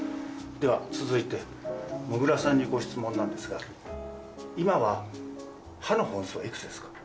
では続いてもぐらさんにご質問なんですが今は歯の本数はいくつですか？